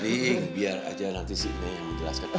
sudah dingin biar aja nanti si nek yang menjelaskan apa